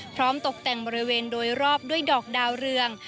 ตกแต่งบริเวณโดยรอบด้วยดอกดาวเรือง